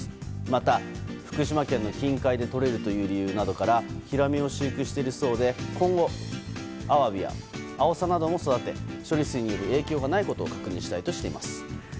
また福島県の近海でとれるという理由などからヒラメを飼育しているそうで今後、アワビやアオサなども育て処理水による影響がないことを確認したいとしています。